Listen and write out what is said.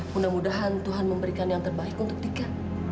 mudah mudahan tuhan memberikan yang terbaik untuk tika